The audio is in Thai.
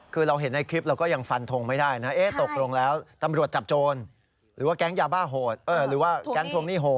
คือเราเห็นในคลิปเราก็ยังฟันทงไม่ได้นะตกลงแล้วตำรวจจับโจรหรือว่าแก๊งยาบ้าโหดหรือว่าแก๊งทวงหนี้โหด